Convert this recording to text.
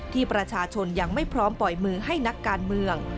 ที่ประชาชนยังไม่พร้อมปล่อยมือให้นักการเมือง